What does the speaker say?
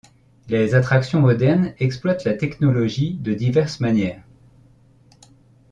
Les attractions modernes exploitent la technologie de diverses manières.